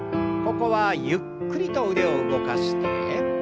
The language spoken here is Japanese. ここはゆっくりと腕を動かして。